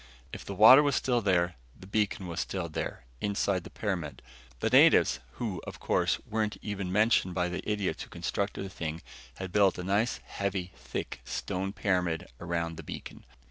If the water was still there, the beacon was still there inside the pyramid. The natives, who, of course, weren't even mentioned by the idiots who constructed the thing, had built a nice heavy, thick stone pyramid around the beacon.